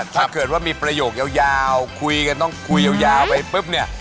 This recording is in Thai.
ถ้าเกิดว่ามีประโยคยาวคุยกันต้องคุยยาวไปปุ๊บเนี่ย